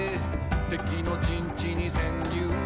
「敵の陣地に潜入」